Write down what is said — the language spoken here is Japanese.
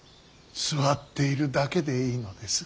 座っているだけでいいのです。